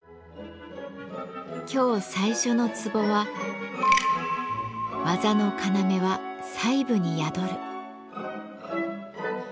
今日最初の壺は「技の要は細部に宿る」。